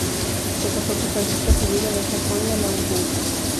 Se casó con Francisca Sibila de Sajonia-Lauenburg.